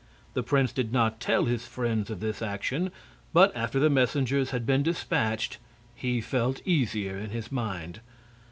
The prince did not tell his friends of this action, but after the messengers had been dispatched he felt easier in his mind.